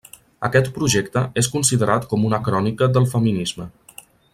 Aquest projecte és considerat com una crònica del feminisme.